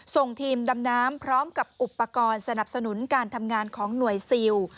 ส่งทีมดำน้ำพร้อมกับอุปกรณ์สนับสนุนการทำงานของหน่วยซิล